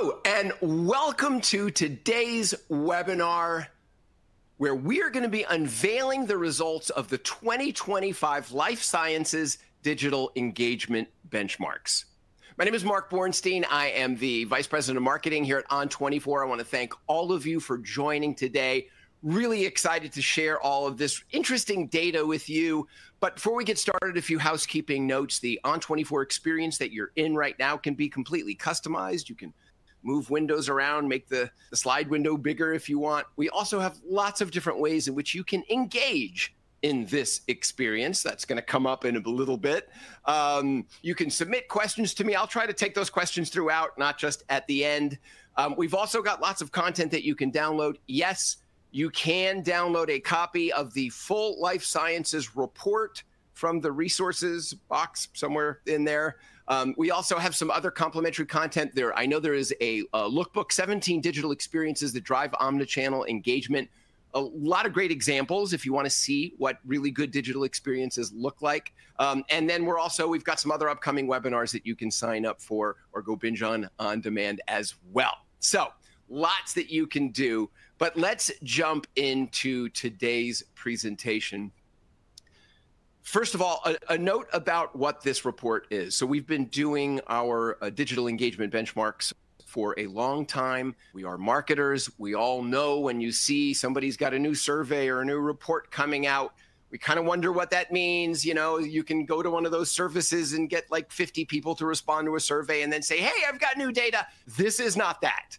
Hello, and welcome to today's webinar, where we are going to be unveiling the results of the 2025 Life Sciences Digital Engagement Benchmarks. My name is Mark Bornstein. I am the Vice President of Marketing here at ON24. I want to thank all of you for joining today. Really excited to share all of this interesting data with you. Before we get started, a few housekeeping notes. The ON24 experience that you're in right now can be completely customized. You can move windows around, make the slide window bigger if you want. We also have lots of different ways in which you can engage in this experience. That is going to come up in a little bit. You can submit questions to me. I'll try to take those questions throughout, not just at the end. We've also got lots of content that you can download. Yes, you can download a copy of the full Life Sciences report from the resources box somewhere in there. We also have some other complimentary content. I know there is a lookbook: 17 Digital Experiences that Drive Omnichannel Engagement. A lot of great examples if you want to see what really good digital experiences look like. We have some other upcoming webinars that you can sign up for or go binge on on demand as well. Lots that you can do. Let's jump into today's presentation. First of all, a note about what this report is. We have been doing our Digital Engagement Benchmarks for a long time. We are marketers. We all know when you see somebody's got a new survey or a new report coming out, we kind of wonder what that means. You know, you can go to one of those services and get like 50 people to respond to a survey and then say, "Hey, I've got new data." This is not that.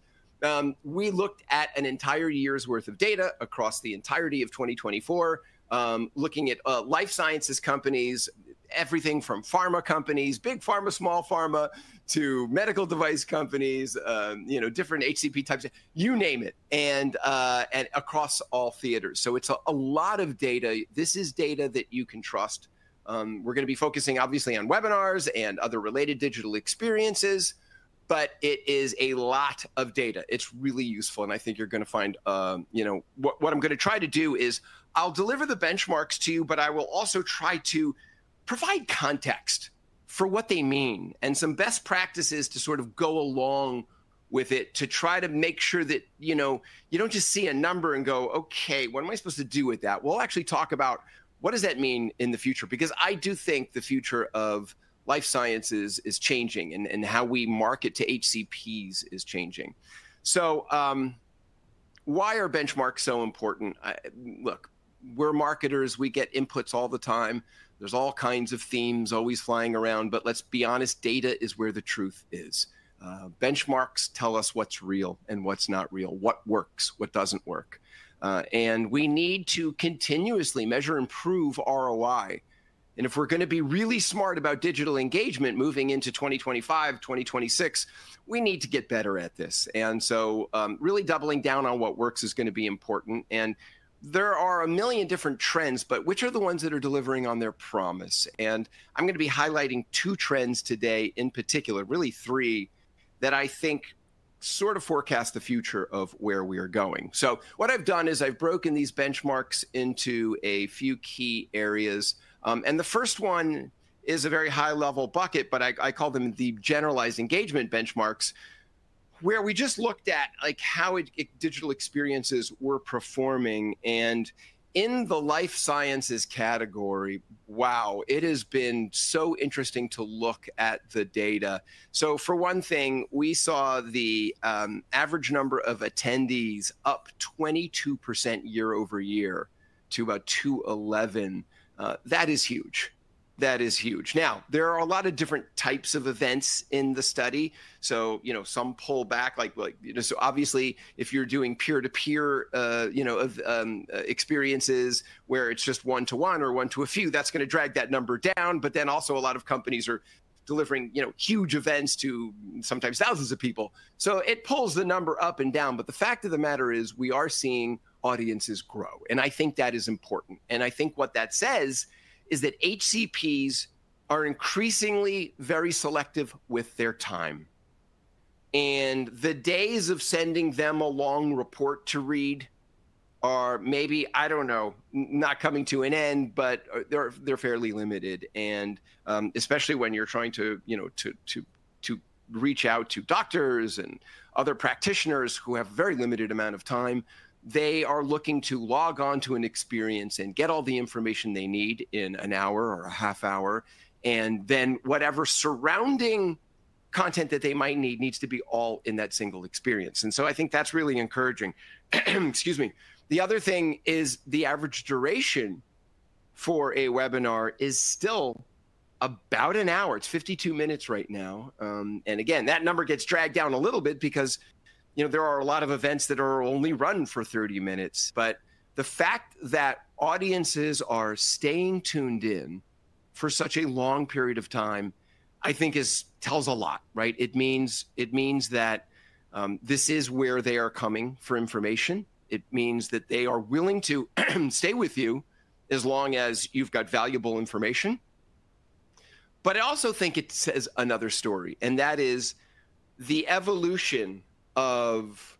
We looked at an entire year's worth of data across the entirety of 2024, looking at life sciences companies, everything from pharma companies, big pharma, small pharma, to medical device companies, you know, different HCP types, you name it, and across all theaters. It is a lot of data. This is data that you can trust. We're going to be focusing, obviously, on webinars and other related digital experiences, but it is a lot of data. It's really useful. I think you're going to find, you know, what I'm going to try to do is I'll deliver the benchmarks to you, but I will also try to provide context for what they mean and some best practices to sort of go along with it, to try to make sure that, you know, you don't just see a number and go, "Okay, what am I supposed to do with that?" We'll actually talk about what does that mean in the future, because I do think the future of life sciences is changing and how we market to HCPs is changing. Why are benchmarks so important? Look, we're marketers. We get inputs all the time. There's all kinds of themes always flying around. Let's be honest, data is where the truth is. Benchmarks tell us what's real and what's not real, what works, what doesn't work. We need to continuously measure and improve ROI. If we're going to be really smart about digital engagement moving into 2025, 2026, we need to get better at this. Really doubling down on what works is going to be important. There are a million different trends, but which are the ones that are delivering on their promise? I'm going to be highlighting two trends today in particular, really three, that I think sort of forecast the future of where we are going. What I've done is I've broken these benchmarks into a few key areas. The first one is a very high-level bucket, but I call them the generalized engagement benchmarks, where we just looked at how digital experiences were performing. In the life sciences category, wow, it has been so interesting to look at the data. For one thing, we saw the average number of attendees up 22% year over year to about 211. That is huge. That is huge. Now, there are a lot of different types of events in the study. You know, some pull back. Like, obviously, if you're doing peer-to-peer, you know, experiences where it's just one-to-one or one-to-a-few, that's going to drag that number down. Also, a lot of companies are delivering, you know, huge events to sometimes thousands of people. It pulls the number up and down. The fact of the matter is we are seeing audiences grow. I think that is important. I think what that says is that HCPs are increasingly very selective with their time. The days of sending them a long report to read are maybe, I don't know, not coming to an end, but they're fairly limited. Especially when you're trying to, you know, to reach out to doctors and other practitioners who have a very limited amount of time, they are looking to log on to an experience and get all the information they need in an hour or a half hour. Whatever surrounding content that they might need needs to be all in that single experience. I think that's really encouraging. Excuse me. The other thing is the average duration for a webinar is still about an hour. It's 52 minutes right now. Again, that number gets dragged down a little bit because, you know, there are a lot of events that are only run for 30 minutes. The fact that audiences are staying tuned in for such a long period of time, I think, tells a lot, right? It means that this is where they are coming for information. It means that they are willing to stay with you as long as you've got valuable information. I also think it says another story. That is the evolution of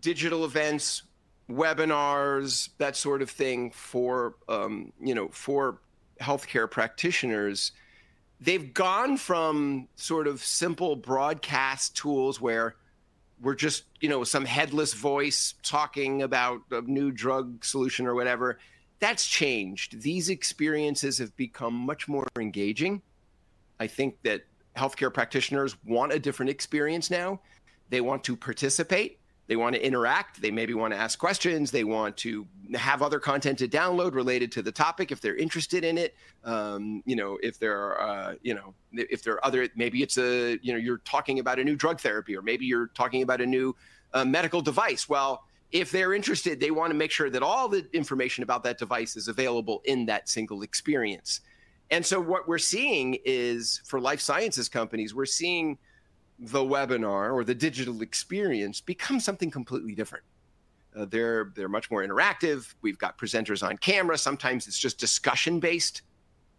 digital events, webinars, that sort of thing for, you know, for healthcare practitioners. They've gone from sort of simple broadcast tools where we're just, you know, some headless voice talking about a new drug solution or whatever. That's changed. These experiences have become much more engaging. I think that healthcare practitioners want a different experience now. They want to participate. They want to interact. They maybe want to ask questions. They want to have other content to download related to the topic if they're interested in it. You know, if there are, you know, if there are other, maybe it's, you know, you're talking about a new drug therapy, or maybe you're talking about a new medical device. If they're interested, they want to make sure that all the information about that device is available in that single experience. What we're seeing is for life sciences companies, we're seeing the webinar or the digital experience become something completely different. They're much more interactive. We've got presenters on camera. Sometimes it's just discussion-based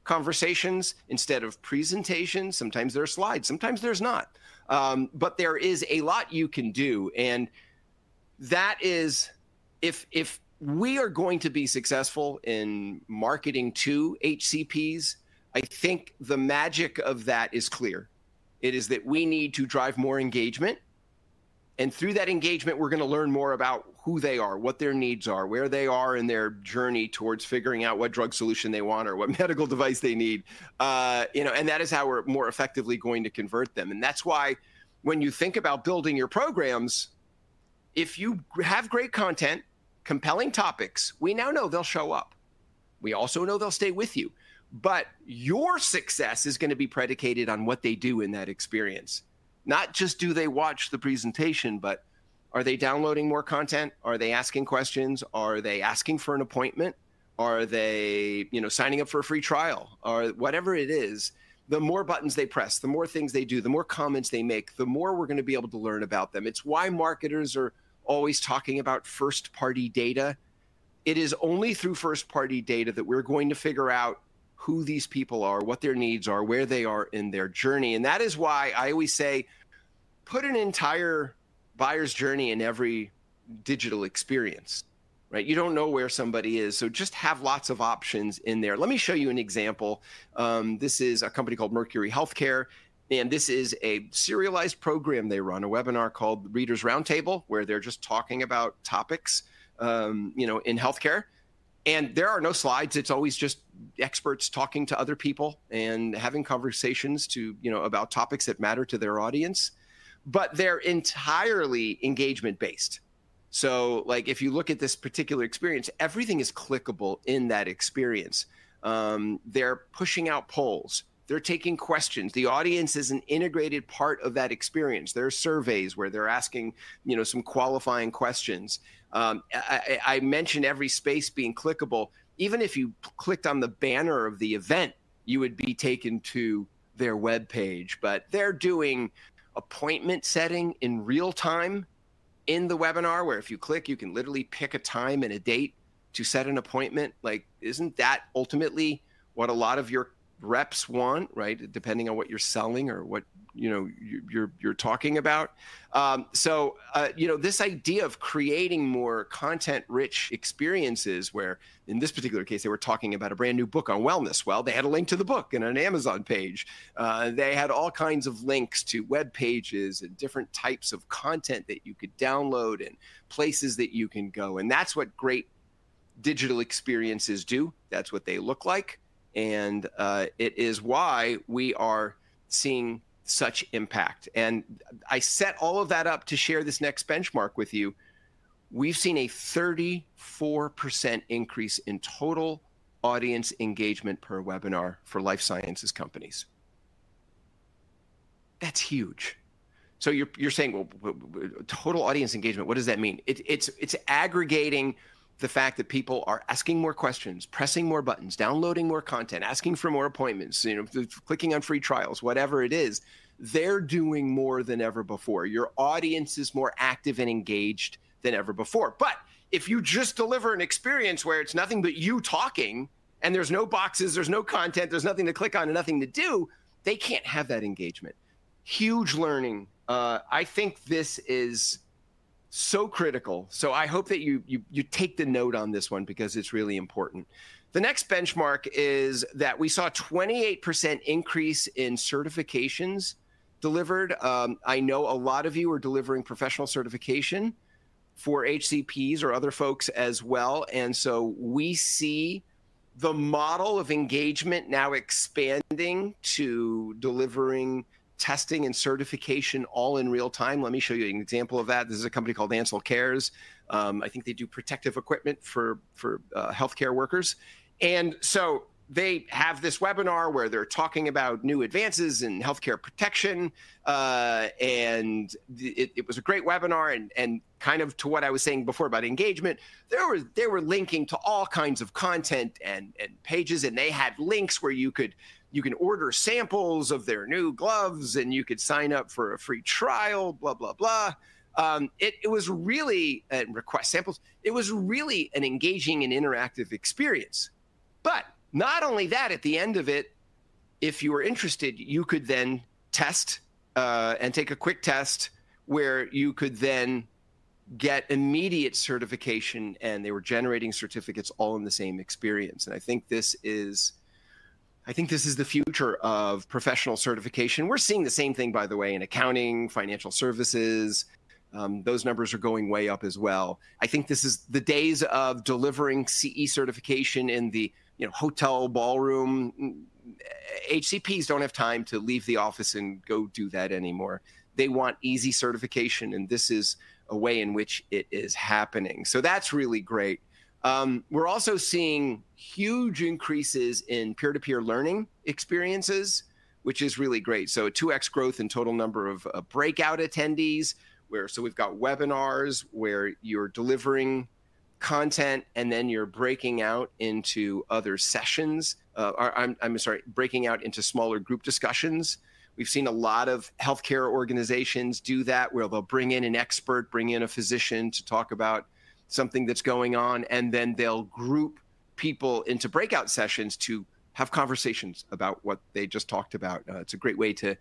conversations instead of presentations. Sometimes there are slides. Sometimes there's not. There is a lot you can do. That is, if we are going to be successful in marketing to HCPs, I think the magic of that is clear. It is that we need to drive more engagement. Through that engagement, we're going to learn more about who they are, what their needs are, where they are in their journey towards figuring out what drug solution they want or what medical device they need. You know, that is how we're more effectively going to convert them. That is why when you think about building your programs, if you have great content, compelling topics, we now know they'll show up. We also know they'll stay with you. Your success is going to be predicated on what they do in that experience. Not just do they watch the presentation, but are they downloading more content? Are they asking questions? Are they asking for an appointment? Are they, you know, signing up for a free trial? Or whatever it is, the more buttons they press, the more things they do, the more comments they make, the more we're going to be able to learn about them. It's why marketers are always talking about first-party data. It is only through first-party data that we're going to figure out who these people are, what their needs are, where they are in their journey. That is why I always say, put an entire buyer's journey in every digital experience, right? You don't know where somebody is. Just have lots of options in there. Let me show you an example. This is a company called Mercury Healthcare. This is a serialized program they run, a webinar called Reader's Roundtable, where they're just talking about topics, you know, in healthcare. There are no slides. It's always just experts talking to other people and having conversations to, you know, about topics that matter to their audience. They're entirely engagement-based. Like, if you look at this particular experience, everything is clickable in that experience. They're pushing out polls. They're taking questions. The audience is an integrated part of that experience. There are surveys where they're asking, you know, some qualifying questions. I mentioned every space being clickable. Even if you clicked on the banner of the event, you would be taken to their webpage. They're doing appointment setting in real time in the webinar, where if you click, you can literally pick a time and a date to set an appointment. Like, isn't that ultimately what a lot of your reps want, right, depending on what you're selling or what, you know, you're talking about? You know, this idea of creating more content-rich experiences, where in this particular case, they were talking about a brand new book on wellness. They had a link to the book and an Amazon page. They had all kinds of links to webpages and different types of content that you could download and places that you can go. That is what great digital experiences do. That is what they look like. It is why we are seeing such impact. I set all of that up to share this next benchmark with you. We have seen a 34% increase in total audience engagement per webinar for life sciences companies. That is huge. You are saying, well, total audience engagement, what does that mean? It's aggregating the fact that people are asking more questions, pressing more buttons, downloading more content, asking for more appointments, you know, clicking on free trials, whatever it is. They're doing more than ever before. Your audience is more active and engaged than ever before. If you just deliver an experience where it's nothing but you talking and there's no boxes, there's no content, there's nothing to click on and nothing to do, they can't have that engagement. Huge learning. I think this is so critical. I hope that you take the note on this one because it's really important. The next benchmark is that we saw a 28% increase in certifications delivered. I know a lot of you are delivering professional certification for HCPs or other folks as well. We see the model of engagement now expanding to delivering testing and certification all in real time. Let me show you an example of that. This is a company called Ansell Cares. I think they do protective equipment for healthcare workers. They have this webinar where they are talking about new advances in healthcare protection. It was a great webinar. Kind of to what I was saying before about engagement, they were linking to all kinds of content and pages. They had links where you could order samples of their new gloves, and you could sign up for a free trial, blah, blah, blah. It was really, and request samples, it was really an engaging and interactive experience. Not only that, at the end of it, if you were interested, you could then take a quick test where you could then get immediate certification. They were generating certificates all in the same experience. I think this is the future of professional certification. We're seeing the same thing, by the way, in accounting, financial services. Those numbers are going way up as well. I think the days of delivering CE certification in the, you know, hotel ballroom are over. HCPs don't have time to leave the office and go do that anymore. They want easy certification. This is a way in which it is happening. That's really great. We're also seeing huge increases in peer-to-peer learning experiences, which is really great. A 2x growth in total number of breakout attendees, where—we've got webinars where you're delivering content and then you're breaking out into other sessions. I'm sorry, breaking out into smaller group discussions. We've seen a lot of healthcare organizations do that, where they'll bring in an expert, bring in a physician to talk about something that's going on. Then they'll group people into breakout sessions to have conversations about what they just talked about. It's a great way to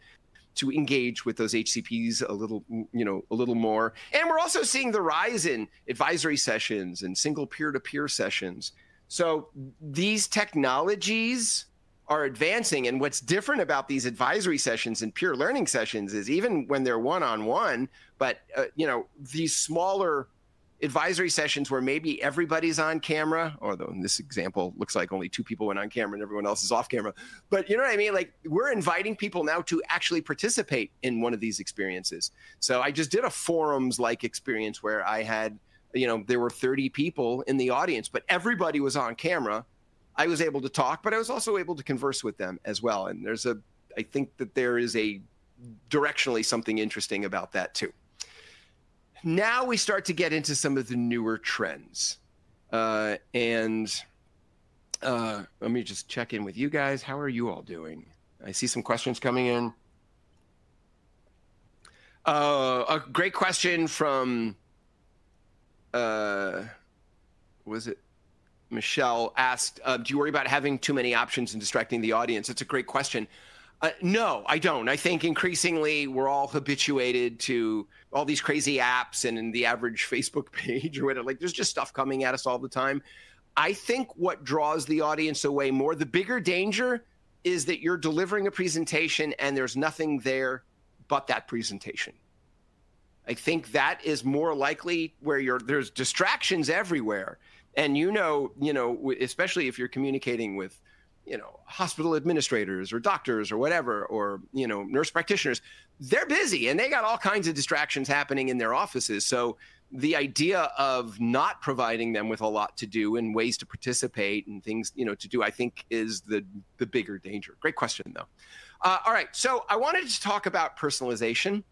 engage with those HCPs a little, you know, a little more. We're also seeing the rise in advisory sessions and single peer-to-peer sessions. These technologies are advancing. What's different about these advisory sessions and peer learning sessions is even when they're one-on-one, but, you know, these smaller advisory sessions where maybe everybody's on camera, although in this example, it looks like only two people went on camera and everyone else is off camera. You know what I mean? We're inviting people now to actually participate in one of these experiences. I just did a forums-like experience where I had, you know, there were 30 people in the audience, but everybody was on camera. I was able to talk, but I was also able to converse with them as well. I think that there is directionally something interesting about that too. Now we start to get into some of the newer trends. Let me just check in with you guys. How are you all doing? I see some questions coming in. A great question from—was it Michelle asked, "Do you worry about having too many options and distracting the audience?" It is a great question. No, I do not. I think increasingly we are all habituated to all these crazy apps and the average Facebook page or whatever. Like, there is just stuff coming at us all the time. I think what draws the audience away more, the bigger danger is that you are delivering a presentation and there is nothing there but that presentation. I think that is more likely where you are—there are distractions everywhere. You know, especially if you are communicating with, you know, hospital administrators or doctors or whatever or, you know, nurse practitioners, they are busy and they have all kinds of distractions happening in their offices. The idea of not providing them with a lot to do and ways to participate and things, you know, to do, I think is the bigger danger. Great question, though. All right. I wanted to talk about personalization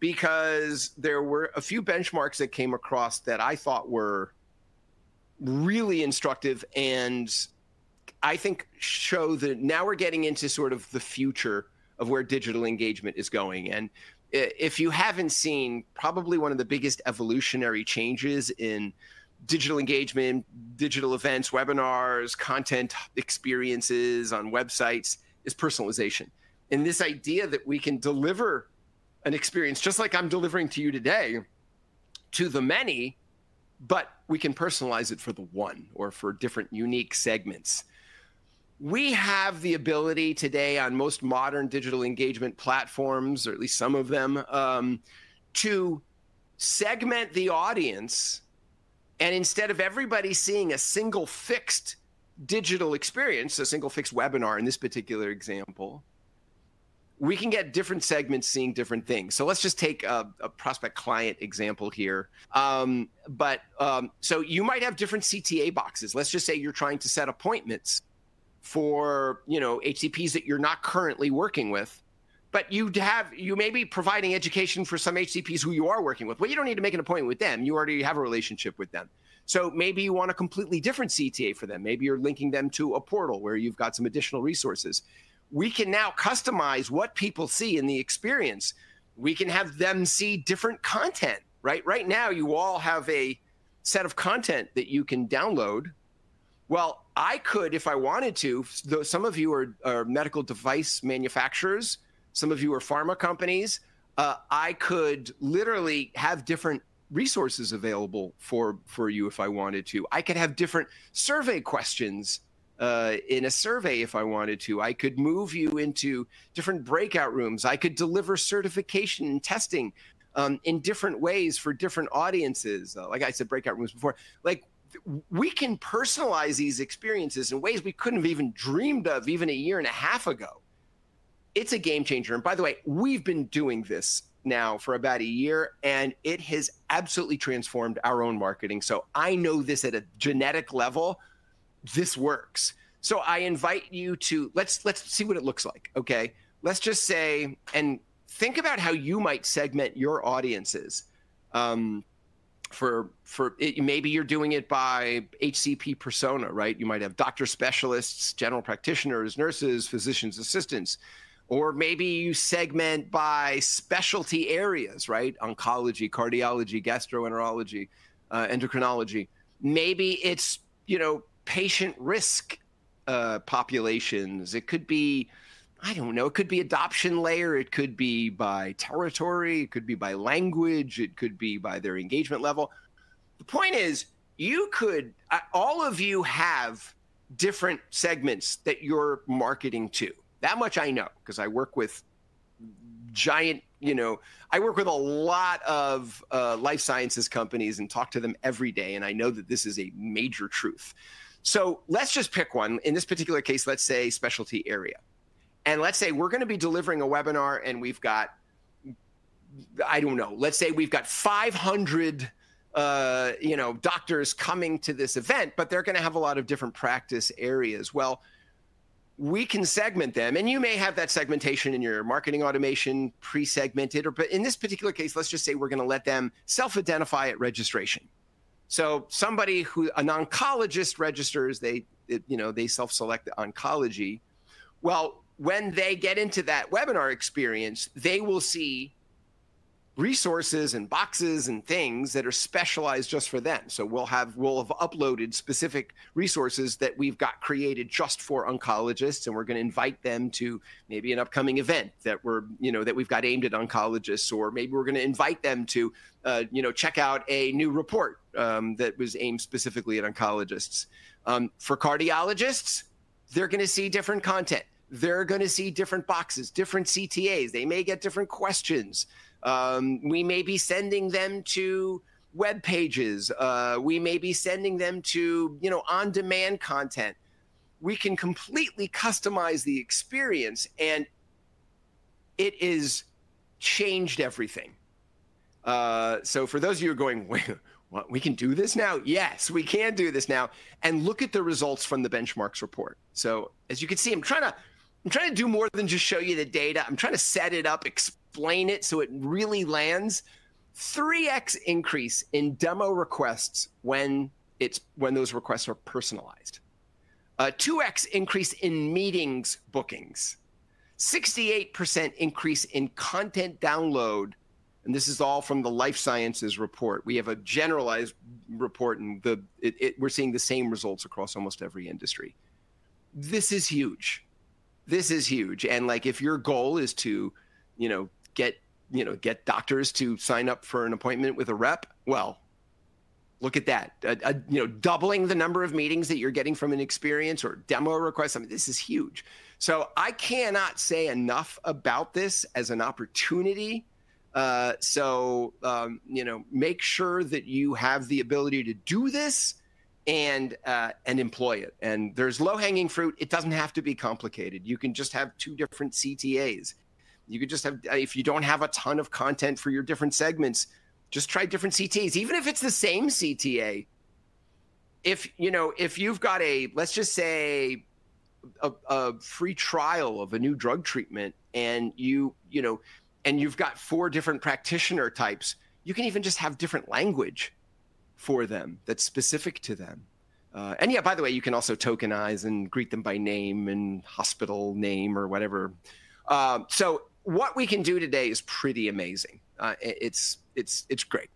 because there were a few benchmarks that came across that I thought were really instructive and I think show that now we're getting into sort of the future of where digital engagement is going. If you have not seen, probably one of the biggest evolutionary changes in digital engagement, digital events, webinars, content experiences on websites is personalization. This idea that we can deliver an experience just like I am delivering to you today to the many, but we can personalize it for the one or for different unique segments. We have the ability today on most modern digital engagement platforms, or at least some of them, to segment the audience. Instead of everybody seeing a single fixed digital experience, a single fixed webinar in this particular example, we can get different segments seeing different things. Let's just take a prospect client example here. You might have different CTA boxes. Let's just say you're trying to set appointments for, you know, HCPs that you're not currently working with. You may be providing education for some HCPs who you are working with. You do not need to make an appointment with them. You already have a relationship with them. Maybe you want a completely different CTA for them. Maybe you're linking them to a portal where you've got some additional resources. We can now customize what people see in the experience. We can have them see different content, right? Right now, you all have a set of content that you can download. I could, if I wanted to, though some of you are medical device manufacturers, some of you are pharma companies, I could literally have different resources available for you if I wanted to. I could have different survey questions in a survey if I wanted to. I could move you into different breakout rooms. I could deliver certification and testing in different ways for different audiences. Like I said, breakout rooms before. We can personalize these experiences in ways we could not have even dreamed of even a year and a half ago. It is a game changer. By the way, we have been doing this now for about a year, and it has absolutely transformed our own marketing. I know this at a genetic level. This works. I invite you to—let's see what it looks like, okay? Let's just say, and think about how you might segment your audiences. For maybe you're doing it by HCP persona, right? You might have doctor specialists, general practitioners, nurses, physicians, assistants. Or maybe you segment by specialty areas, right? Oncology, cardiology, gastroenterology, endocrinology. Maybe it's, you know, patient risk populations. It could be, I don't know, it could be adoption layer. It could be by territory. It could be by language. It could be by their engagement level. The point is, you could—all of you have different segments that you're marketing to. That much I know because I work with giant, you know, I work with a lot of life sciences companies and talk to them every day. I know that this is a major truth. Let's just pick one. In this particular case, let's say specialty area. Let's say we're going to be delivering a webinar and we've got, I don't know, let's say we've got 500, you know, doctors coming to this event, but they're going to have a lot of different practice areas. We can segment them. You may have that segmentation in your marketing automation pre-segmented. In this particular case, let's just say we're going to let them self-identify at registration. Somebody who—an oncologist registers, they, you know, they self-select oncology. When they get into that webinar experience, they will see resources and boxes and things that are specialized just for them. We'll have uploaded specific resources that we've got created just for oncologists. We're going to invite them to maybe an upcoming event that we're, you know, that we've got aimed at oncologists. Maybe we're going to invite them to, you know, check out a new report that was aimed specifically at oncologists. For cardiologists, they're going to see different content. They're going to see different boxes, different CTAs. They may get different questions. We may be sending them to web pages. We may be sending them to, you know, on-demand content. We can completely customize the experience. It has changed everything. For those of you who are going, "What? We can do this now?" Yes, we can do this now. Look at the results from the benchmarks report. As you can see, I'm trying to—I'm trying to do more than just show you the data. I'm trying to set it up, explain it so it really lands. 3x increase in demo requests when those requests are personalized. 2x increase in meetings bookings. 68% increase in content download. This is all from the life sciences report. We have a generalized report. We are seeing the same results across almost every industry. This is huge. This is huge. If your goal is to, you know, get, you know, get doctors to sign up for an appointment with a rep, look at that. Doubling the number of meetings that you are getting from an experience or demo requests, I mean, this is huge. I cannot say enough about this as an opportunity. You know, make sure that you have the ability to do this and employ it. There is low-hanging fruit. It does not have to be complicated. You can just have two different CTAs. You could just have—if you do not have a ton of content for your different segments, just try different CTAs. Even if it's the same CTA. If, you know, if you've got a, let's just say, a free trial of a new drug treatment and you, you know, and you've got four different practitioner types, you can even just have different language for them that's specific to them. And yeah, by the way, you can also tokenize and greet them by name and hospital name or whatever. What we can do today is pretty amazing. It's great.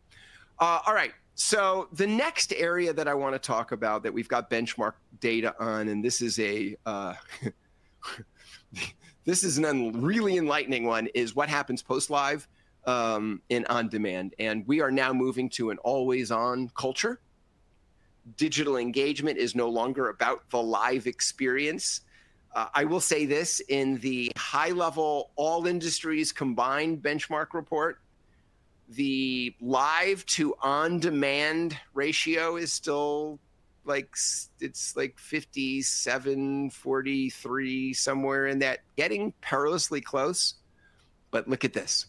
All right. The next area that I want to talk about that we've got benchmark data on, and this is a really enlightening one, is what happens post-live in on-demand. We are now moving to an always-on culture. Digital engagement is no longer about the live experience. I will say this: in the high-level all-industries combined benchmark report, the live-to-on-demand ratio is still like—it is like 57-43, somewhere in that, getting perilously close. Look at this.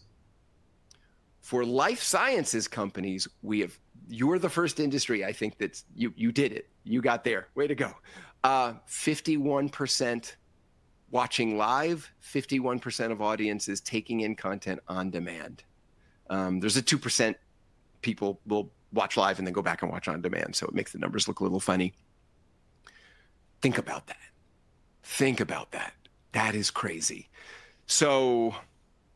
For life sciences companies, we have—you are the first industry, I think, that you did it. You got there. Way to go. 51% watching live, 51% of audiences taking in content on-demand. There is a 2% people will watch live and then go back and watch on-demand. It makes the numbers look a little funny. Think about that. Think about that. That is crazy.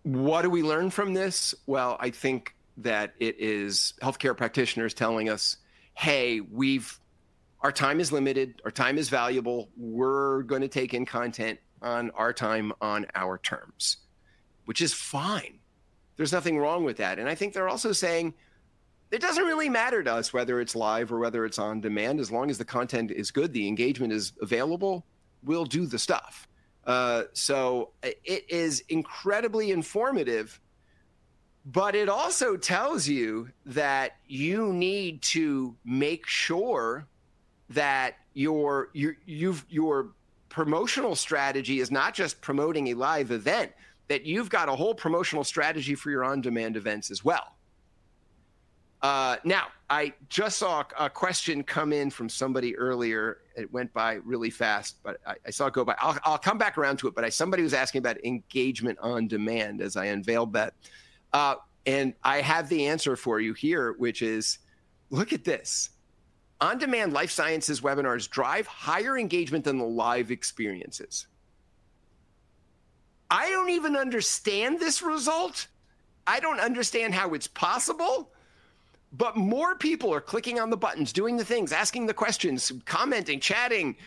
What do we learn from this? I think that it is healthcare practitioners telling us, "Hey, we have—our time is limited. Our time is valuable. We are going to take in content on our time on our terms," which is fine. There is nothing wrong with that. I think they're also saying, "It doesn't really matter to us whether it's live or whether it's on-demand. As long as the content is good, the engagement is available, we'll do the stuff." It is incredibly informative. It also tells you that you need to make sure that your promotional strategy is not just promoting a live event, that you've got a whole promotional strategy for your on-demand events as well. I just saw a question come in from somebody earlier. It went by really fast, but I saw it go by. I'll come back around to it. Somebody was asking about engagement on-demand as I unveiled that. I have the answer for you here, which is, look at this. On-demand life sciences webinars drive higher engagement than the live experiences. I don't even understand this result. I don't understand how it's possible. More people are clicking on the buttons, doing the things, asking the questions, commenting, chatting,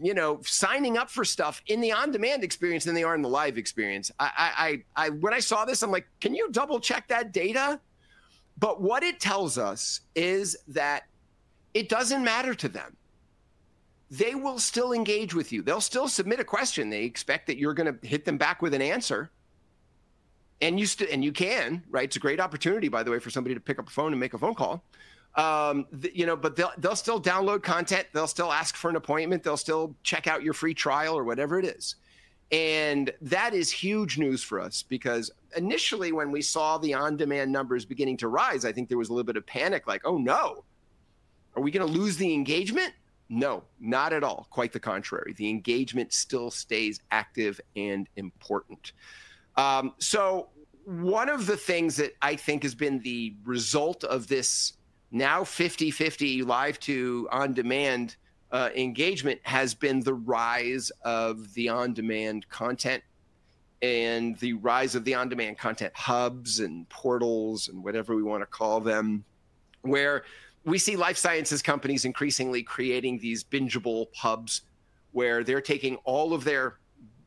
you know, signing up for stuff in the on-demand experience than they are in the live experience. When I saw this, I'm like, "Can you double-check that data?" What it tells us is that it does not matter to them. They will still engage with you. They'll still submit a question. They expect that you're going to hit them back with an answer. You still—and you can, right? It's a great opportunity, by the way, for somebody to pick up a phone and make a phone call. You know, they'll still download content. They'll still ask for an appointment. They'll still check out your free trial or whatever it is. That is huge news for us because initially, when we saw the on-demand numbers beginning to rise, I think there was a little bit of panic, like, "Oh, no. Are we going to lose the engagement?" No, not at all. Quite the contrary. The engagement still stays active and important. One of the things that I think has been the result of this now 50/50 live-to-on-demand engagement has been the rise of the on-demand content and the rise of the on-demand content hubs and portals and whatever we want to call them, where we see life sciences companies increasingly creating these bingeable hubs where they're taking all of their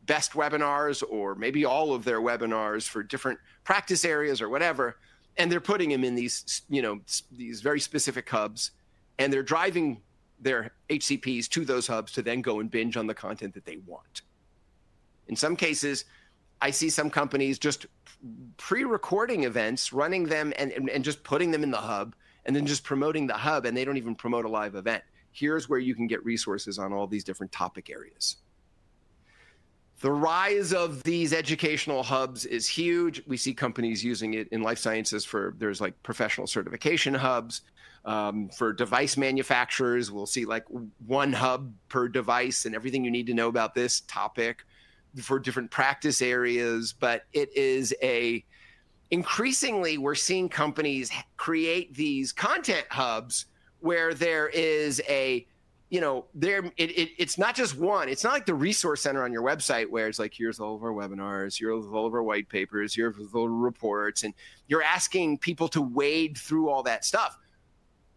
best webinars or maybe all of their webinars for different practice areas or whatever, and they're putting them in these, you know, these very specific hubs. They're driving their HCPs to those hubs to then go and binge on the content that they want. In some cases, I see some companies just pre-recording events, running them and just putting them in the hub and then just promoting the hub. They don't even promote a live event. Here is where you can get resources on all these different topic areas. The rise of these educational hubs is huge. We see companies using it in life sciences for—there's like professional certification hubs. For device manufacturers, we'll see like one hub per device and everything you need to know about this topic for different practice areas. It is increasingly—we're seeing companies create these content hubs where there is a, you know, there—it's not just one. It's not like the resource center on your website where it's like, "Here's all of our webinars. Here's all of our white papers. Here's all of our reports. You're asking people to wade through all that stuff.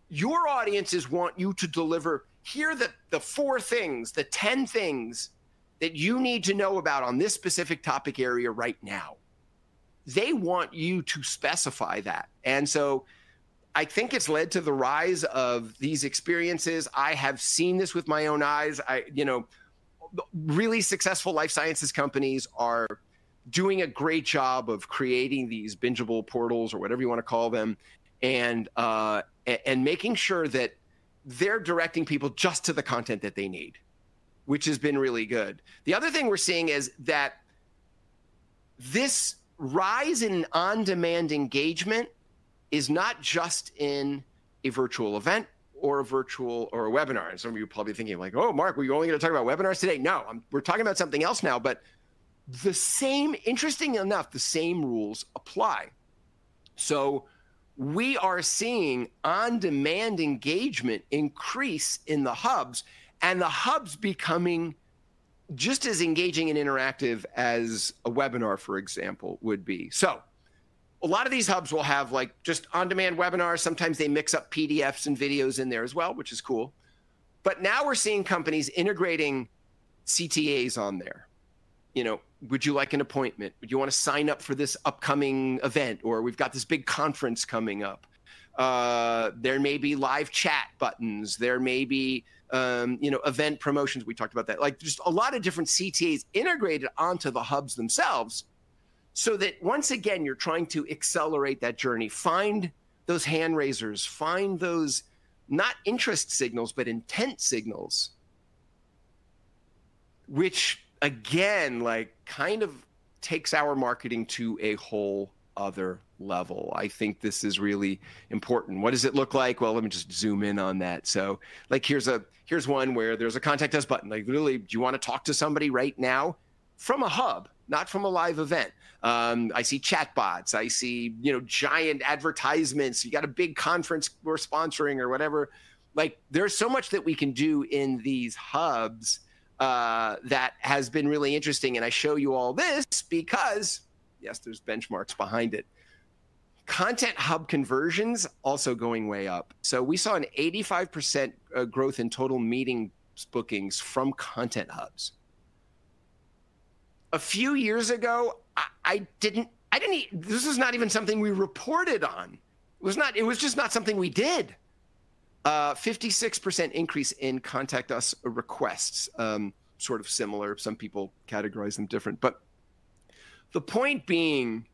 Your audiences want you to deliver, "Here are the four things, the 10 things that you need to know about on this specific topic area right now." They want you to specify that. I think it's led to the rise of these experiences. I have seen this with my own eyes. You know, really successful life sciences companies are doing a great job of creating these bingeable portals or whatever you want to call them and making sure that they're directing people just to the content that they need, which has been really good. The other thing we're seeing is that this rise in on-demand engagement is not just in a virtual event or a webinar. Some of you are probably thinking like, "Oh, Mark, we're only going to talk about webinars today." No, we're talking about something else now. Interestingly enough, the same rules apply. We are seeing on-demand engagement increase in the hubs and the hubs becoming just as engaging and interactive as a webinar, for example, would be. A lot of these hubs will have like just on-demand webinars. Sometimes they mix up PDFs and videos in there as well, which is cool. Now we're seeing companies integrating CTAs on there. You know, would you like an appointment? Would you want to sign up for this upcoming event? We've got this big conference coming up. There may be live chat buttons. There may be, you know, event promotions. We talked about that. Like, just a lot of different CTAs integrated onto the hubs themselves so that, once again, you're trying to accelerate that journey. Find those hand raisers. Find those not interest signals, but intent signals, which, again, like kind of takes our marketing to a whole other level. I think this is really important. What does it look like? Let me just zoom in on that. Like, here's one where there's a contact us button. Like, really, do you want to talk to somebody right now? From a hub, not from a live event. I see chat bots. I see, you know, giant advertisements. You got a big conference we're sponsoring or whatever. Like, there's so much that we can do in these hubs that has been really interesting. I show you all this because, yes, there's benchmarks behind it. Content hub conversions also going way up. We saw an 85% growth in total meetings bookings from content hubs. A few years ago, I didn't—I didn't—this is not even something we reported on. It was not—it was just not something we did. 56% increase in contact us requests. Sort of similar. Some people categorize them different. The point being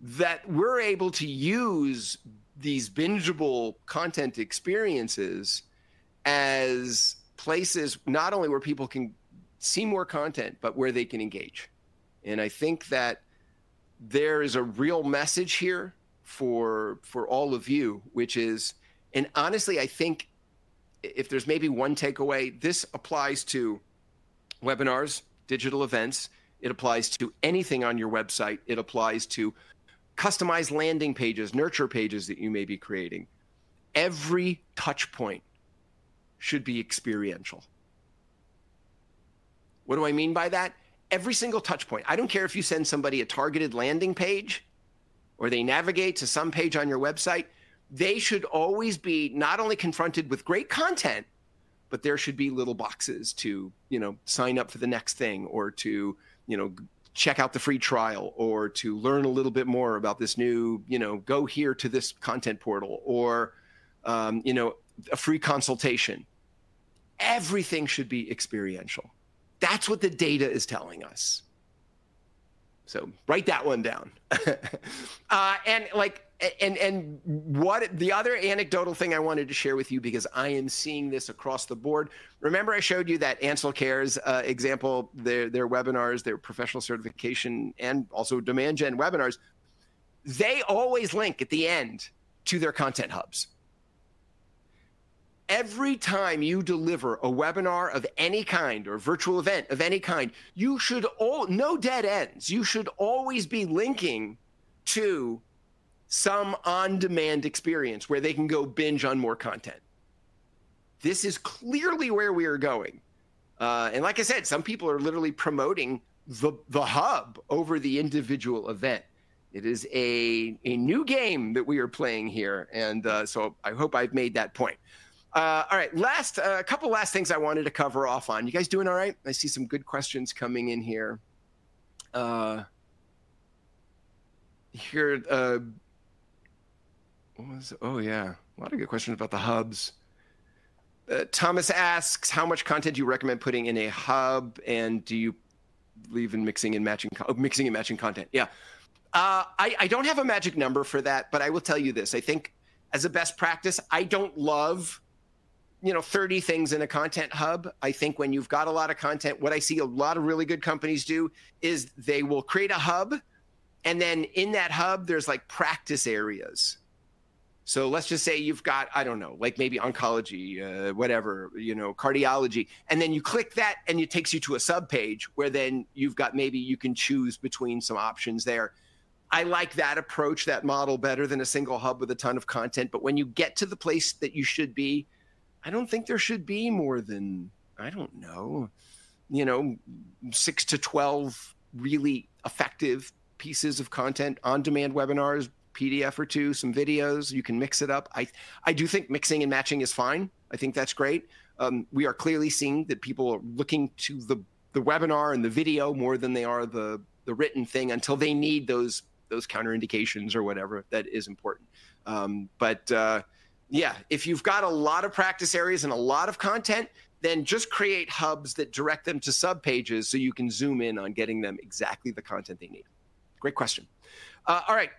that we're able to use these bingeable content experiences as places not only where people can see more content, but where they can engage. I think that there is a real message here for all of you, which is—and honestly, I think if there's maybe one takeaway, this applies to webinars, digital events. It applies to anything on your website. It applies to customized landing pages, nurture pages that you may be creating. Every touchpoint should be experiential. What do I mean by that? Every single touchpoint. I don't care if you send somebody a targeted landing page or they navigate to some page on your website. They should always be not only confronted with great content, but there should be little boxes to, you know, sign up for the next thing or to, you know, check out the free trial or to learn a little bit more about this new, you know, go here to this content portal or, you know, a free consultation. Everything should be experiential. That's what the data is telling us. Write that one down. Like, what the other anecdotal thing I wanted to share with you because I am seeing this across the board. Remember I showed you that Ansel Cares example, their webinars, their professional certification, and also Demand Gen webinars. They always link at the end to their content hubs. Every time you deliver a webinar of any kind or a virtual event of any kind, you should all—no dead ends. You should always be linking to some on-demand experience where they can go binge on more content. This is clearly where we are going. Like I said, some people are literally promoting the hub over the individual event. It is a new game that we are playing here. I hope I've made that point. All right. A couple last things I wanted to cover off on. You guys doing all right? I see some good questions coming in here. Oh, yeah. A lot of good questions about the hubs. Thomas asks, "How much content do you recommend putting in a hub? And do you believe in mixing and matching—mixing and matching content?" Yeah. I don't have a magic number for that, but I will tell you this. I think as a best practice, I don't love, you know, 30 things in a content hub. I think when you've got a lot of content, what I see a lot of really good companies do is they will create a hub, and then in that hub, there's like practice areas. Let's just say you've got, I don't know, like maybe oncology, whatever, you know, cardiology. You click that, and it takes you to a subpage where then you've got maybe you can choose between some options there. I like that approach, that model better than a single hub with a ton of content. When you get to the place that you should be, I don't think there should be more than—I don't know, you know, 6-12 really effective pieces of content, on-demand webinars, a PDF or two, some videos. You can mix it up. I do think mixing and matching is fine. I think that's great. We are clearly seeing that people are looking to the webinar and the video more than they are the written thing until they need those counterindications or whatever that is important. Yeah, if you've got a lot of practice areas and a lot of content, then just create hubs that direct them to subpages so you can zoom in on getting them exactly the content they need. Great question. All right.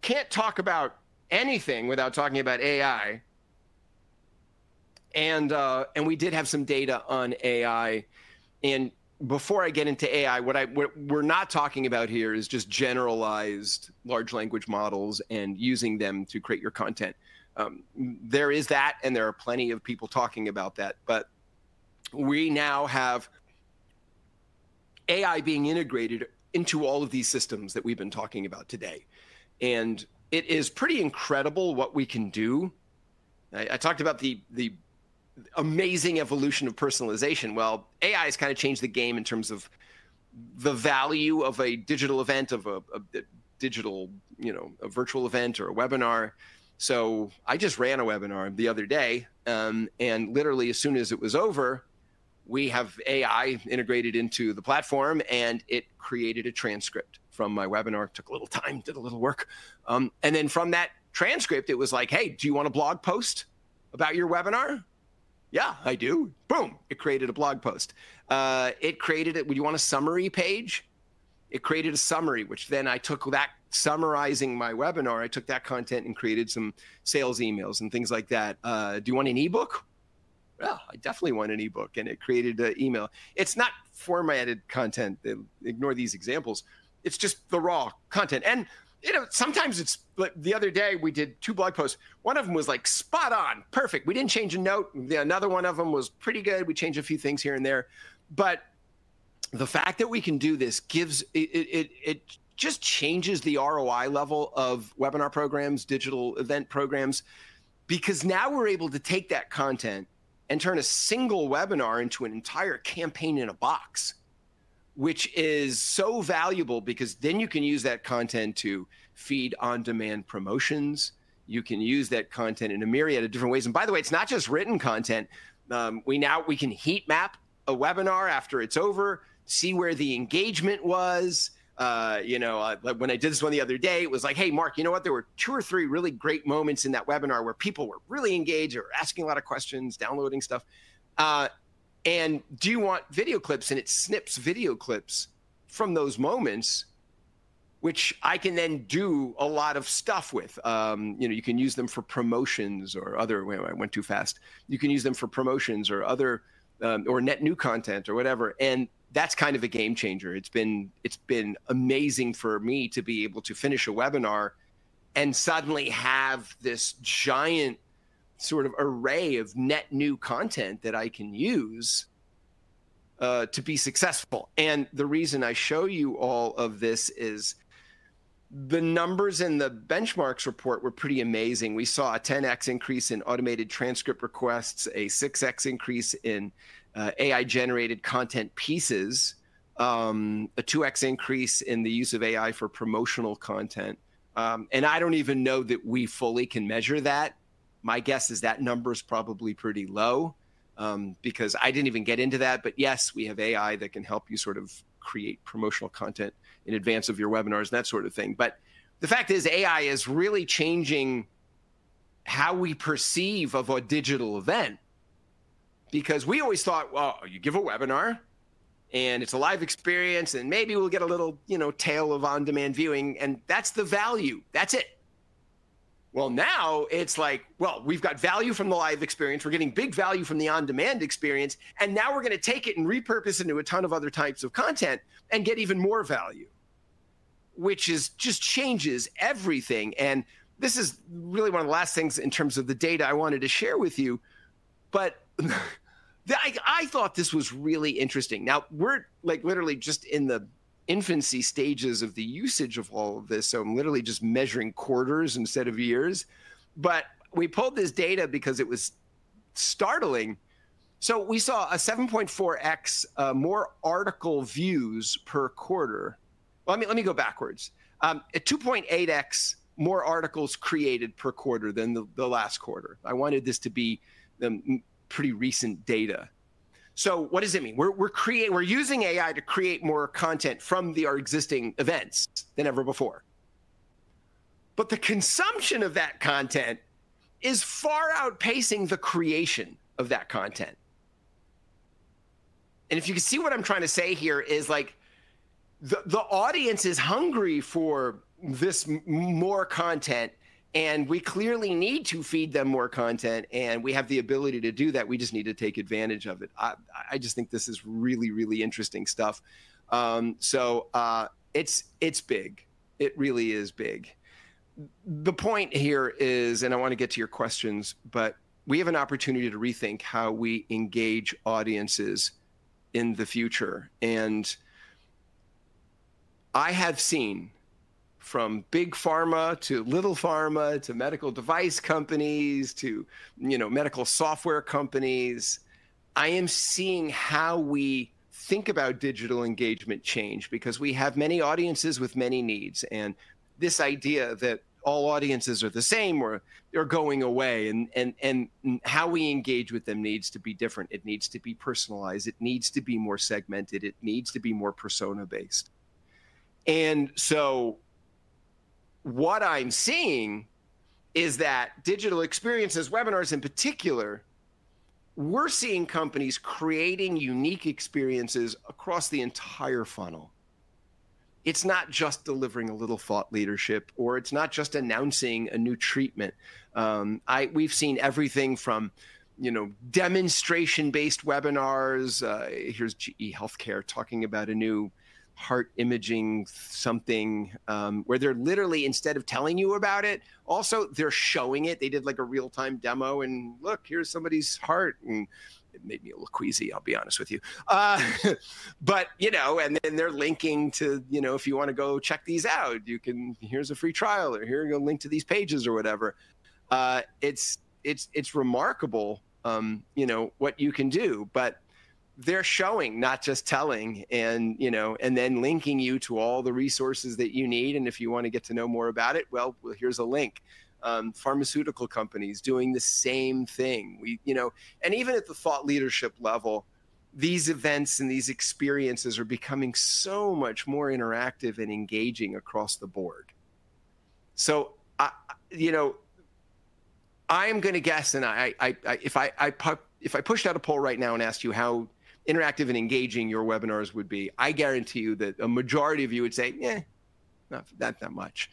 Can't talk about anything without talking about AI. We did have some data on AI. Before I get into AI, what we're not talking about here is just generalized large language models and using them to create your content. There is that, and there are plenty of people talking about that. We now have AI being integrated into all of these systems that we've been talking about today. It is pretty incredible what we can do. I talked about the amazing evolution of personalization. AI has kind of changed the game in terms of the value of a digital event, of a digital, you know, a virtual event or a webinar. I just ran a webinar the other day. Literally, as soon as it was over, we have AI integrated into the platform, and it created a transcript from my webinar. It took a little time, did a little work. From that transcript, it was like, "Hey, do you want a blog post about your webinar?" "Yeah, I do." Boom. It created a blog post. It created it. "Would you want a summary page?" It created a summary, which then I took that summarizing my webinar. I took that content and created some sales emails and things like that. "Do you want an ebook?" "Yeah, I definitely want an ebook." And it created an email. It's not formatted content. Ignore these examples. It's just the raw content. You know, sometimes it's like the other day we did two blog posts. One of them was spot on, perfect. We did not change a note. Another one of them was pretty good. We changed a few things here and there. The fact that we can do this gives it, it just changes the ROI level of webinar programs, digital event programs, because now we're able to take that content and turn a single webinar into an entire campaign in a box, which is so valuable because then you can use that content to feed on-demand promotions. You can use that content in a myriad of different ways. By the way, it's not just written content. We now, we can heat map a webinar after it's over, see where the engagement was. You know, when I did this one the other day, it was like, "Hey, Mark, you know what? There were two or three really great moments in that webinar where people were really engaged or asking a lot of questions, downloading stuff." Do you want video clips? It snips video clips from those moments, which I can then do a lot of stuff with. You know, you can use them for promotions or other, I went too fast. You can use them for promotions or other or net new content or whatever. That is kind of a game changer. It has been amazing for me to be able to finish a webinar and suddenly have this giant sort of array of net new content that I can use to be successful. The reason I show you all of this is the numbers in the benchmarks report were pretty amazing. We saw a 10x increase in automated transcript requests, a 6x increase in AI-generated content pieces, a 2x increase in the use of AI for promotional content. I do not even know that we fully can measure that. My guess is that number is probably pretty low because I didn't even get into that. Yes, we have AI that can help you sort of create promotional content in advance of your webinars and that sort of thing. The fact is AI is really changing how we perceive a digital event because we always thought, "Well, you give a webinar and it's a live experience, and maybe we'll get a little, you know, tail of on-demand viewing." That's the value. That's it. Now it's like, "Well, we've got value from the live experience. We're getting big value from the on-demand experience. Now we're going to take it and repurpose into a ton of other types of content and get even more value," which just changes everything. This is really one of the last things in terms of the data I wanted to share with you. I thought this was really interesting. Now, we're like literally just in the infancy stages of the usage of all of this. I'm literally just measuring quarters instead of years. We pulled this data because it was startling. We saw a 7.4x more article views per quarter. Let me go backwards. A 2.8x more articles created per quarter than the last quarter. I wanted this to be the pretty recent data. What does it mean? We're using AI to create more content from our existing events than ever before. The consumption of that content is far outpacing the creation of that content. If you can see what I'm trying to say here is like the audience is hungry for this more content, and we clearly need to feed them more content. We have the ability to do that. We just need to take advantage of it. I just think this is really, really interesting stuff. It is big. It really is big. The point here is, I want to get to your questions, but we have an opportunity to rethink how we engage audiences in the future. I have seen from big pharma to little pharma to medical device companies to, you know, medical software companies. I am seeing how we think about digital engagement change because we have many audiences with many needs. This idea that all audiences are the same or they're going away and how we engage with them needs to be different. It needs to be personalized. It needs to be more segmented. It needs to be more persona-based. What I'm seeing is that digital experiences, webinars in particular, we're seeing companies creating unique experiences across the entire funnel. It's not just delivering a little thought leadership, or it's not just announcing a new treatment. We've seen everything from, you know, demonstration-based webinars. Here's GE Healthcare talking about a new heart imaging something where they're literally, instead of telling you about it, also they're showing it. They did like a real-time demo and, "Look, here's somebody's heart." It made me a little queasy, I'll be honest with you. You know, and then they're linking to, you know, "If you want to go check these out, you can here's a free trial or here you'll link to these pages or whatever." It's remarkable, you know, what you can do. They are showing, not just telling, and, you know, then linking you to all the resources that you need. If you want to get to know more about it, here is a link. Pharmaceutical companies doing the same thing. You know, even at the thought leadership level, these events and these experiences are becoming so much more interactive and engaging across the board. I am going to guess, if I pushed out a poll right now and asked you how interactive and engaging your webinars would be, I guarantee you that a majority of you would say, not that much.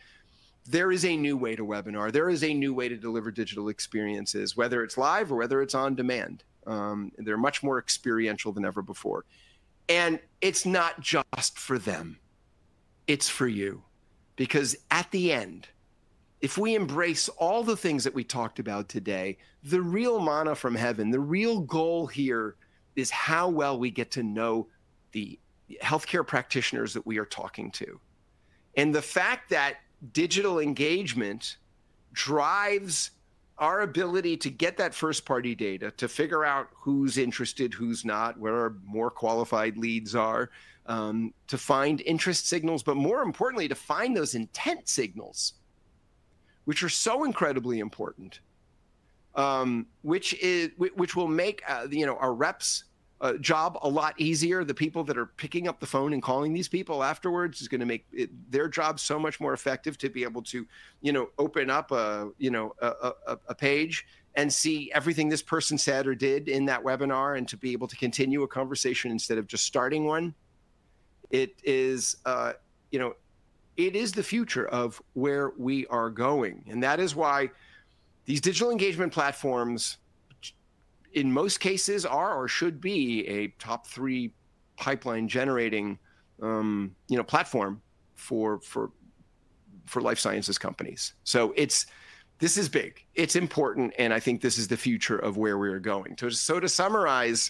There is a new way to webinar. There is a new way to deliver digital experiences, whether it is live or whether it is on demand. They are much more experiential than ever before. It is not just for them. It is for you. Because at the end, if we embrace all the things that we talked about today, the real mana from heaven, the real goal here is how well we get to know the healthcare practitioners that we are talking to. The fact that digital engagement drives our ability to get that first-party data, to figure out who's interested, who's not, where our more qualified leads are, to find interest signals, but more importantly, to find those intent signals, which are so incredibly important, which will make, you know, our reps' job a lot easier. The people that are picking up the phone and calling these people afterwards is going to make their job so much more effective to be able to, you know, open up a, you know, a page and see everything this person said or did in that webinar and to be able to continue a conversation instead of just starting one. It is, you know, it is the future of where we are going. That is why these digital engagement platforms, in most cases, are or should be a top three pipeline-generating, you know, platform for life sciences companies. This is big. It's important. I think this is the future of where we are going. To summarize,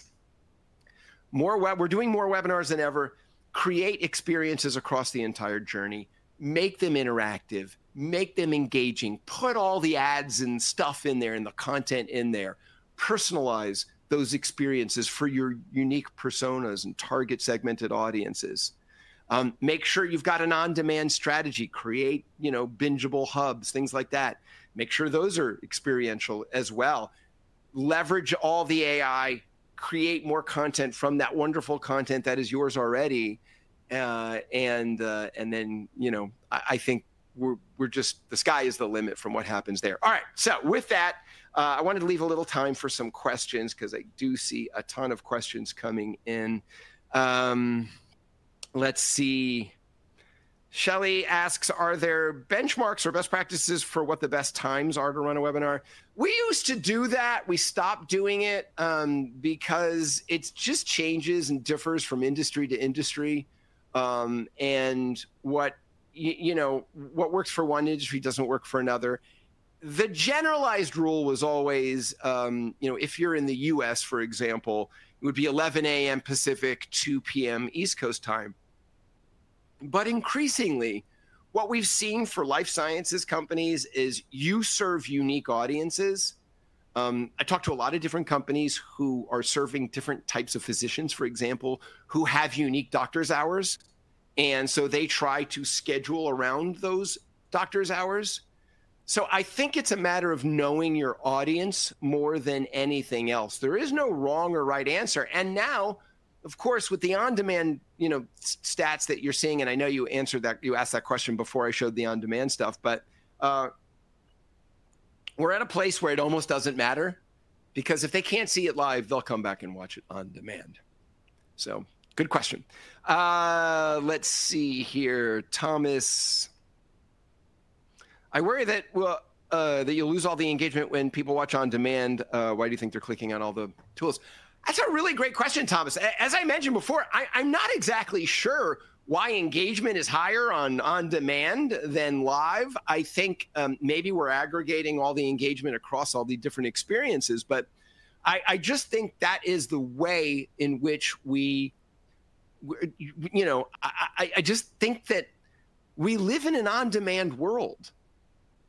we're doing more webinars than ever. Create experiences across the entire journey. Make them interactive. Make them engaging. Put all the ads and stuff in there and the content in there. Personalize those experiences for your unique personas and target segmented audiences. Make sure you've got an on-demand strategy. Create, you know, bingeable hubs, things like that. Make sure those are experiential as well. Leverage all the AI. Create more content from that wonderful content that is yours already. I think we're just the sky is the limit from what happens there. All right. With that, I wanted to leave a little time for some questions because I do see a ton of questions coming in. Let's see. Shelly asks, "Are there benchmarks or best practices for what the best times are to run a webinar?" We used to do that. We stopped doing it because it just changes and differs from industry to industry. What works for one industry does not work for another. The generalized rule was always, you know, if you are in the U.S., for example, it would be 11:00 A.M. Pacific, 2:00 P.M. East Coast time. Increasingly, what we have seen for life sciences companies is you serve unique audiences. I talked to a lot of different companies who are serving different types of physicians, for example, who have unique doctor's hours. They try to schedule around those doctor's hours. I think it is a matter of knowing your audience more than anything else. There is no wrong or right answer. Now, of course, with the on-demand, you know, stats that you're seeing, and I know you answered that, you asked that question before I showed the on-demand stuff, but we're at a place where it almost doesn't matter because if they can't see it live, they'll come back and watch it on demand. Good question. Let's see here. Thomas, I worry that you'll lose all the engagement when people watch on demand. Why do you think they're clicking on all the tools? That's a really great question, Thomas. As I mentioned before, I'm not exactly sure why engagement is higher on on-demand than live. I think maybe we're aggregating all the engagement across all the different experiences. I just think that is the way in which we, you know, I just think that we live in an on-demand world.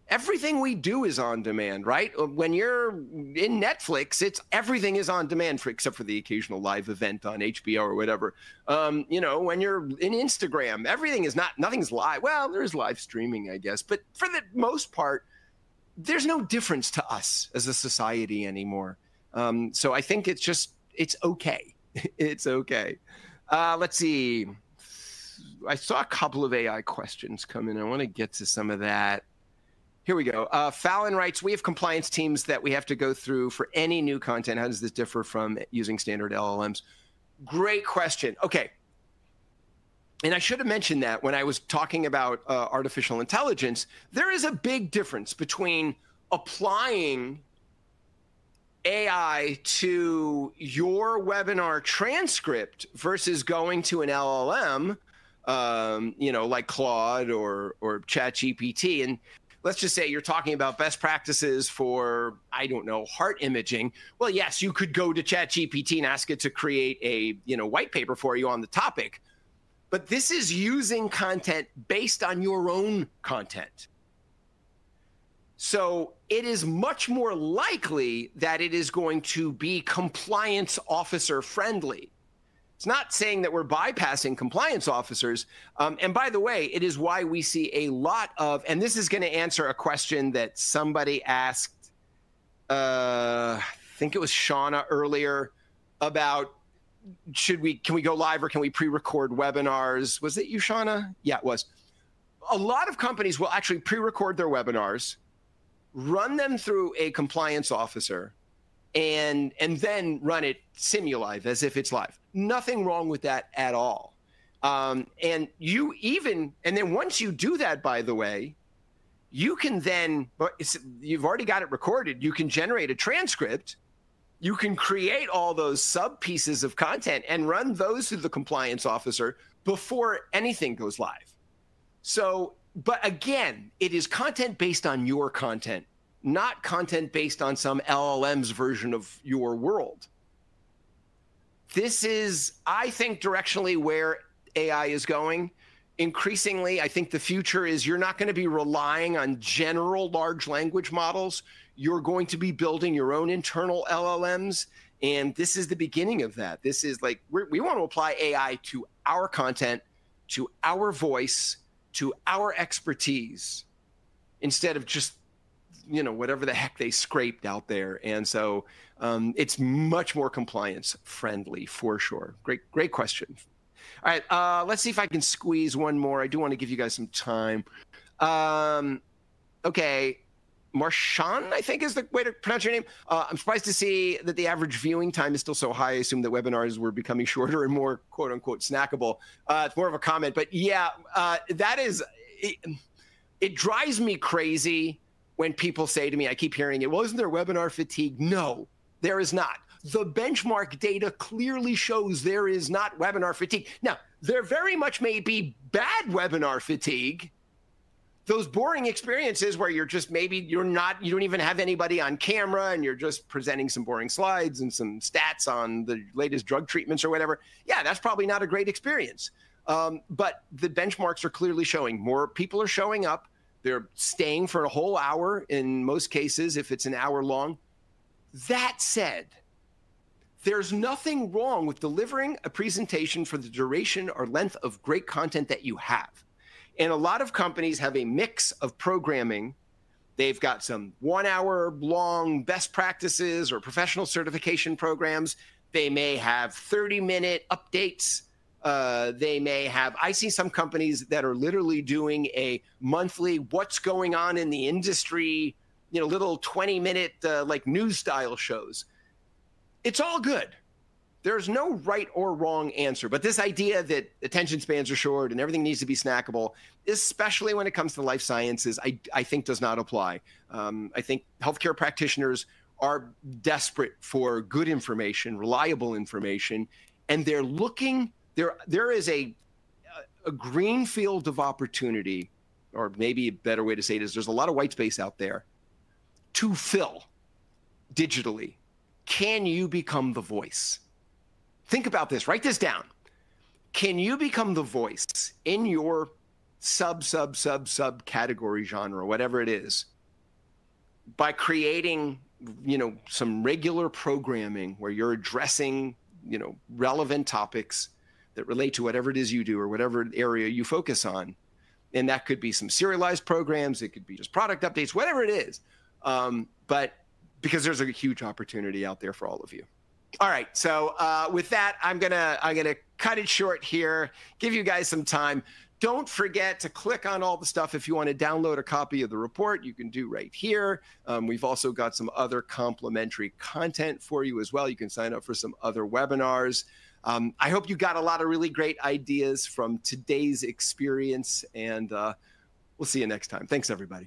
Everything we do is on demand, right? When you're in Netflix, everything is on demand, except for the occasional live event on HBO or whatever. You know, when you're in Instagram, everything is not, nothing's live. There is live streaming, I guess. For the most part, there's no difference to us as a society anymore. I think it's just, it's okay. It's okay. Let's see. I saw a couple of AI questions come in. I want to get to some of that. Here we go. Fallon writes, "We have compliance teams that we have to go through for any new content. How does this differ from using standard LLMs?" Great question. I should have mentioned that when I was talking about artificial intelligence, there is a big difference between applying AI to your webinar transcript versus going to an LLM, you know, like Claude or ChatGPT. Let us just say you are talking about best practices for, I do not know, heart imaging. Yes, you could go to ChatGPT and ask it to create a, you know, white paper for you on the topic. This is using content based on your own content, so it is much more likely that it is going to be compliance officer friendly. It is not saying that we are bypassing compliance officers. By the way, it is why we see a lot of, and this is going to answer a question that somebody asked, I think it was Shauna earlier, about should we, can we go live or can we prerecord webinars. Was it you, Shauna? Yeah, it was. A lot of companies will actually prerecord their webinars, run them through a compliance officer, and then run it simulive as if it is live. Nothing wrong with that at all. You even, and then once you do that, by the way, you can then, you've already got it recorded, you can generate a transcript, you can create all those sub-pieces of content and run those through the compliance officer before anything goes live. Again, it is content based on your content, not content based on some LLM's version of your world. This is, I think, directionally where AI is going. Increasingly, I think the future is you're not going to be relying on general large language models. You're going to be building your own internal LLMs. This is the beginning of that. This is like, we want to apply AI to our content, to our voice, to our expertise, instead of just, you know, whatever the heck they scraped out there. It is much more compliance friendly, for sure. Great, great question. All right. Let's see if I can squeeze one more. I do want to give you guys some time. Okay. Marchon, I think is the way to pronounce your name. I'm surprised to see that the average viewing time is still so high. I assume that webinars were becoming shorter and more "snackable." It's more of a comment. Yeah, that is, it drives me crazy when people say to me, I keep hearing it, "Well, isn't there webinar fatigue?" No. There is not. The benchmark data clearly shows there is not webinar fatigue. Now, there very much may be bad webinar fatigue. Those boring experiences where maybe you're not, you don't even have anybody on camera and you're just presenting some boring slides and some stats on the latest drug treatments or whatever. Yeah, that's probably not a great experience. The benchmarks are clearly showing more people are showing up. They're staying for a whole hour in most cases if it's an hour long. That said, there's nothing wrong with delivering a presentation for the duration or length of great content that you have. A lot of companies have a mix of programming. They've got some one-hour long best practices or professional certification programs. They may have 30-minute updates. I see some companies that are literally doing a monthly what's going on in the industry, you know, little 20-minute like news style shows. It's all good. There's no right or wrong answer. This idea that attention spans are short and everything needs to be snackable, especially when it comes to life sciences, I think does not apply. I think healthcare practitioners are desperate for good information, reliable information. They're looking, there is a greenfield of opportunity, or maybe a better way to say it is there's a lot of white space out there to fill digitally. Can you become the voice? Think about this. Write this down. Can you become the voice in your sub, sub, sub, subcategory genre, whatever it is, by creating, you know, some regular programming where you're addressing, you know, relevant topics that relate to whatever it is you do or whatever area you focus on? That could be some serialized programs. It could be just product updates, whatever it is. There is a huge opportunity out there for all of you. All right. With that, I'm going to cut it short here, give you guys some time. Don't forget to click on all the stuff. If you want to download a copy of the report, you can do it right here. We've also got some other complimentary content for you as well. You can sign up for some other webinars. I hope you got a lot of really great ideas from today's experience. We'll see you next time. Thanks, everybody.